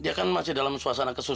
dia kan masih dalam suasana kesulitan